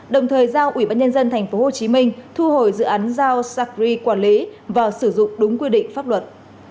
đồng thời giao ubnd tp hcm thu hồi dự án giao sacri quản lý và sử dụng đúng quy định pháp luật